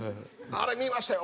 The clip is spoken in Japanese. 「あれ見ましたよ。